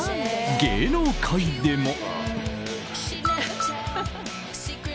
芸能界でも。